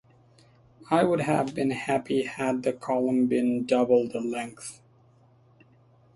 I would have been happy had the column been double the length.